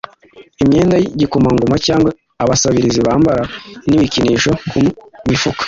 Imyenda y'Igikomangoma cyangwa Abasabirizi Bambara ni Ibikinisho ku mifuka